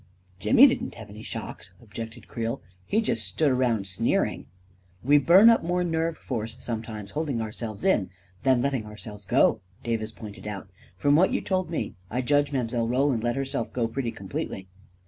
" Jimmy didn't have any shocks," objected. Creel. " He just stood around sneering." " We burn up more nerve force sometimes hold ing ourselves in than letting ourselves go," Davis pointed out. " From what you told me, I judge Mile. Roland let herself go pretty completely."